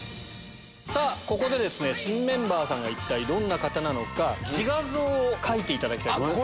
さぁここで新メンバーさんが一体どんな方なのか自画像を描いていただきます。